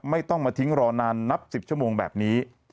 ไม่ต้องมาทิ้งรอนานนับ๑๐ชั่วโมงแบบนี้